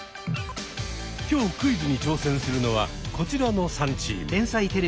今日クイズに挑戦するのはこちらの３チーム。